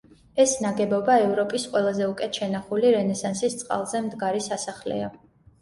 ეს ნაგებობა ევროპის ყველაზე უკეთ შენახული რენესანსის წყალზე მდგარი სასახლეა.